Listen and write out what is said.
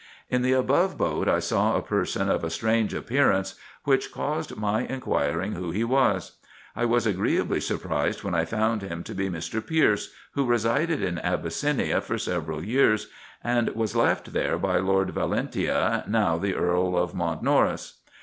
In the above boat I saw a person of a strange appearance, which caused my inquiring who he was. I was agreeably surprised when I found him to be Mr. Pearce, who resided in Abyssinia for several years, and was left there by Lord Valentia, now the Earl of Mountnorris.